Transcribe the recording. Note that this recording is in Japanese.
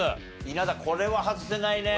稲田これは外せないね。